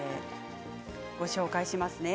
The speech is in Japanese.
ご紹介しますね。